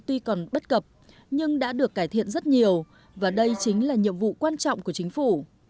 tuy còn bất cập nhưng đã được cải thiện rất nhiều và đây chính là nhiệm vụ quan trọng của chính phủ